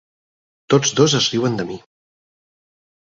Tots dos es riuen de mi.